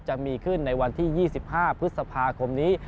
จะมีขึ้นในวันที่๒๕พฤษภาคมนี้